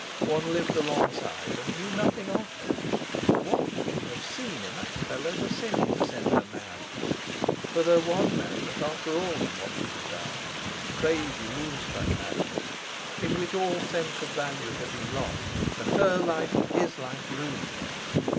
One lived alongside and knew nothing of them. What could she have seen in that fellow Bosinney to send her mad? For there was madness after all in what she had done—crazy moonstruck madness, in which all sense of values had been lost, and her life and his life ruined!